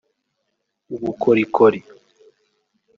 ubukorikori